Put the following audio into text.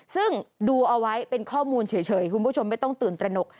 ซึ่งดูเอาไว้เป็นข้อมูลเฉยคุณผู้ชมไม่ต้องตื่นตระหนก